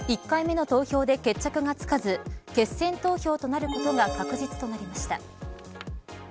１回目の投票で決着がつかず決選投票となることが確実となりました。